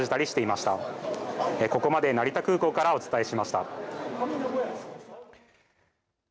しま成田空港からお伝えしました。